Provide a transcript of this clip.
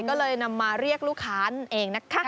ก็เลยนำมาเรียกลูกค้านั่นเองนะคะ